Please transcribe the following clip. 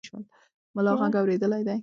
ملا غږ اورېدلی دی.